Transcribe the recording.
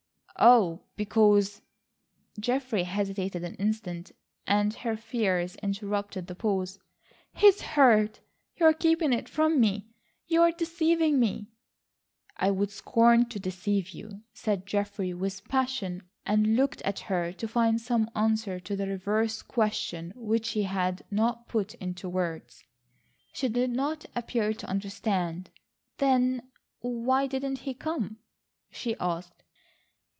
"Oh, because—" Geoffrey hesitated an instant, and her fears interpreted the pause. "He's hurt. You are keeping it from me. You are deceiving me." "I would scorn to deceive you," said Geoffrey with passion, and looked at her to find some answer to the reverse question which he did not put into words. She did not appear to understand. "Then why didn't he come?" she asked.